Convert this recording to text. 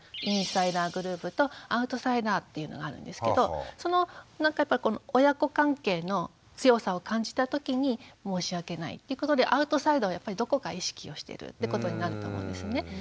インサイダーグループとアウトサイダーっていうのがあるんですけどその親子関係の強さを感じた時に申し訳ないっていうことでアウトサイダーをどこか意識をしてるってことになると思うんですね。